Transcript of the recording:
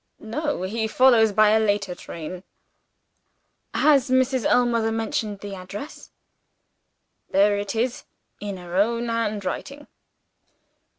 "No; he follows by a later train." "Has Mrs. Ellmother mentioned the address?" "There it is, in her own handwriting."